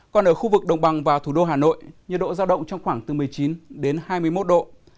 còn ở khu vực đồng bằng và thủ đô hà nội nhiệt độ giao động trong khoảng bốn mươi chín hai mươi một độ